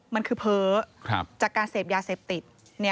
มันคือเผอจากการเศรษฐ์เยาะเสพติส